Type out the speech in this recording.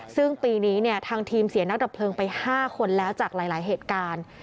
ซึ่งปีนี้เนี่ยทางทีมเสียนักดับเพลิงไป๕คนแล้วจากหลายเหตุการณ์